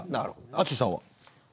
淳さんは。